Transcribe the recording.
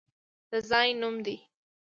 د ځای نوم دی!